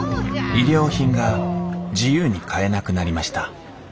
衣料品が自由に買えなくなりました。